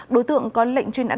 đối tượng có lệnh chuyên